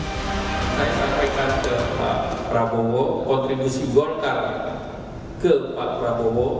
saya sampaikan ke pak prabowo kontribusi golkar ke pak prabowo